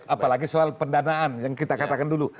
apalagi soal pendanaan yang kita katakan dulu